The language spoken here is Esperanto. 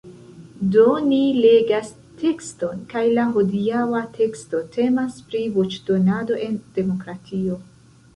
Do, ni legas tekston kaj la hodiaŭa teksto temas pri voĉdonado en demokratio